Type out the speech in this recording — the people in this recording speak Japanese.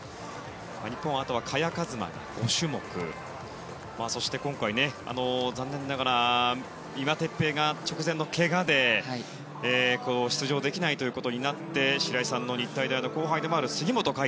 日本はあとは萱和磨が５種目そして今回、残念ながら三輪哲平が直前のけがで出場できないということになって白井さんの後輩でもある杉本海